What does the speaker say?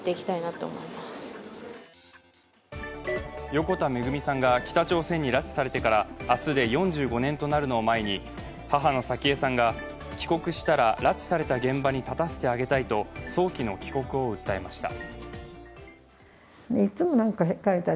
横田めぐみさんが北朝鮮に拉致されてから明日で４５年となるのを前に、母の早紀江さんが帰国したら拉致された現場に立たせてあげたいと、早期の帰国を訴えました。